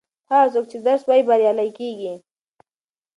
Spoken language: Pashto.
هغه څوک چې درس وايي بریالی کیږي.